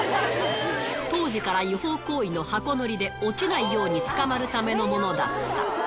当時から違法行為の箱乗りで、落ちないようにつかまるためのものだった。